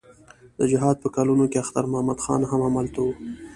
د جهاد په کلونو کې اختر محمد خان هم هلته و.